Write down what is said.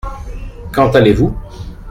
Quand allez-vous ?